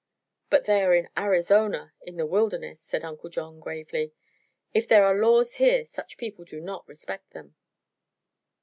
"But they are in Arizona in the wilderness," said Uncle John gravely. "If there are laws here such people do not respect them."